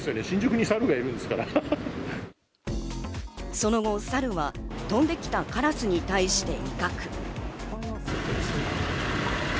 その後、サルは飛んできたカラスに対して威嚇。